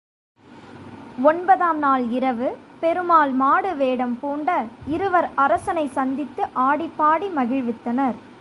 ஒன்பதாம் நாள் இரவு, பெருமாள் மாடு வேடம் பூண்ட இருவர் அரசனைச் சந்தித்து ஆடிப்பாடி மகிழ்வித்தனர்.